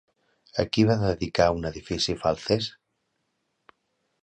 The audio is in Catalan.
A qui va dedicar un edifici Falces?